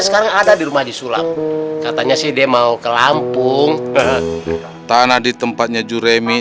sekarang ada di rumah di sulam katanya sih dia mau ke lampung tanah di tempatnya juremi